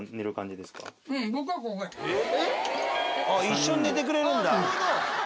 あっ一緒に寝てくれるんだ。